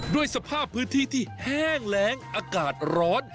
ด้วยสภาพพื้นที่ที่แห้งแรงอากาศร้อน